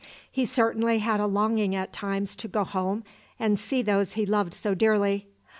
He certainly had a longing at times to go home and see those he loved so dearly.